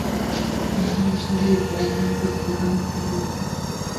مزارشریف د افغان ښځو په ژوند کې رول لري.